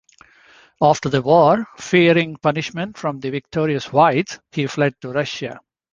After the war, fearing punishment from the victorious Whites, he fled to Russia.